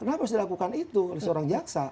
kenapa harus dilakukan itu oleh seorang jaksa